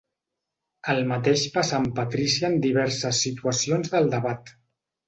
El mateix passà amb Patrícia en diverses situacions del debat.